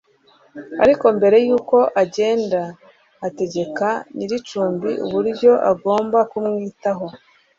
Ariko mbere y'uko agenda ategeka nyir'icumbi uburyo agomba kumwitaho